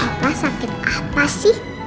opa sakit apa sih